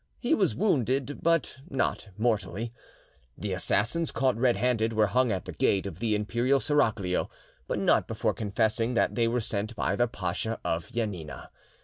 He was wounded, but not mortally. The assassins, caught red handed, were hung at the gate of the Imperial Seraglio, but not before confessing that they were sent by the Pacha of Janina.